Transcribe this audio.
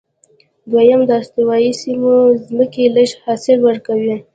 دویم، د استوایي سیمو ځمکې لږ حاصل ورکوي.